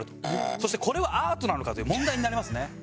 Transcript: そして「これはアートなのか？」という問題になりますね。